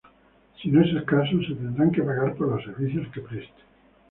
Si no es el caso, se tendrán que pagar por los servicios que preste.